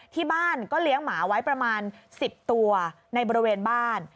ที่บ้านก็เลี้ยงหมาไว้ประมาณ๑๐ตัวในบริเวณบ้าน